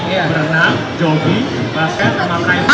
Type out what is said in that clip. beranak jogi basket